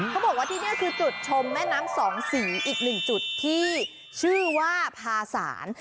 เขาบอกว่าที่นี่คือจุดชมแม่น้ำสองสีอีกหนึ่งจุดที่ชื่อว่าภาษาน